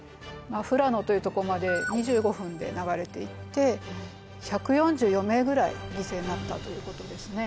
富良野というところまで２５分で流れていって１４４名ぐらい犠牲になったということですね。